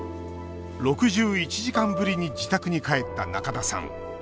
６１時間ぶりに自宅に帰った仲田さん。